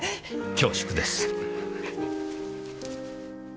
恐縮です。